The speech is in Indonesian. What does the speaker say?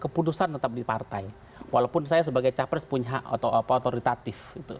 keputusan tetap di partai walaupun saya sebagai capres punya hak otoritatif